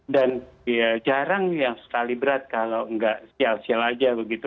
dan jarang sekali berat kalau tidak sial sial saja begitu